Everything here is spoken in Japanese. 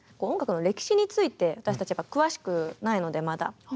音楽の歴史について私たち詳しくないのでまだ。